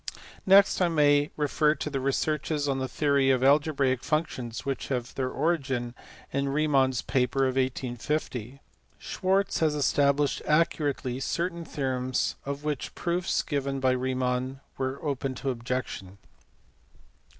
Next I may refer to the researches on the theory of algebraic functions which have their origin in Riemanris paper of 1850 (see above, p. 465). Schwarz (see above, p. 470) has established accurately certain theorems of which the proofs given by Riemann were open to objection.